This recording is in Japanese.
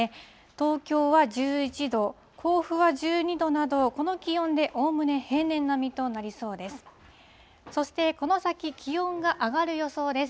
東京は１１度、甲府は１２度など、この気温でおおむね平年並みとなりそうです。